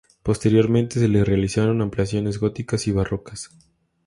Posteriormente se le realizaron ampliaciones góticas y barrocas.